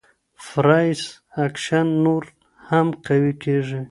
فرایس اکشن نور هم قوي کيږي.